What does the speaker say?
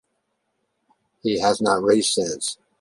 He has not raced since.